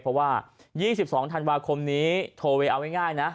เพราะว่า๒๒ธันวาคมนี้โทเวย์เอาง่ายนะ